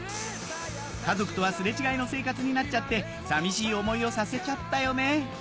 家族とはすれ違いの生活になっちゃって寂しい思いをさせちゃったよね